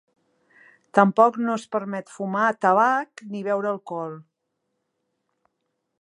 Tampoc no es permet fumar tabac ni beure alcohol.